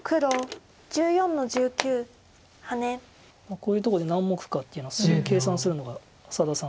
こういうとこで何目かっていうのをすぐ計算するのが佐田さん